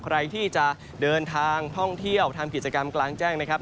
ใครที่จะเดินทางท่องเที่ยวทำกิจกรรมกลางแจ้งนะครับ